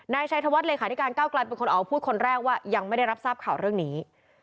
นายชัยธวัฒนเลขาธิการเก้าไกลเป็นคนออกพูดคนแรกว่ายังไม่ได้รับทราบข่าวเรื่องนี้